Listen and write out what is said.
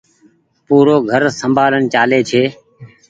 پورو گهر سمبآلين چآلي ڇي۔